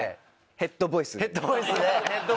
ヘッドボイスでね。